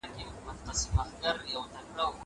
زه اوس سپينکۍ پرېولم!